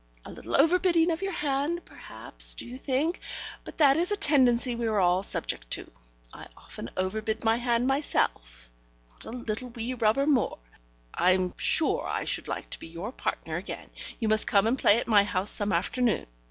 A little overbidding of your hand, perhaps, do you think? but that is a tendency we are all subject to: I often overbid my hand myself. Not a little wee rubber more. I'm sure I should like to be your partner again. You must come and play at my house some afternoon.